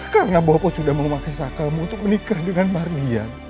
karena bopo sudah memakai sikap kamu untuk menikah dengan mardian